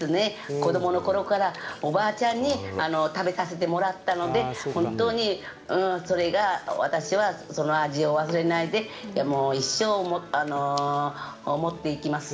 子供のころからおばあちゃんに食べさせてもらったので本当にそれが私はその味を忘れないで一生、守っていきます。